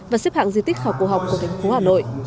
và xếp hạng di tích khảo cổ học của thành phố hà nội